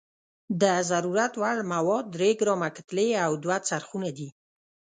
د ضرورت وړ مواد درې ګرامه کتلې او دوه څرخونه دي.